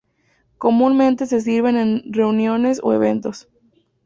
Comúnmente se sirven en reuniones o eventos.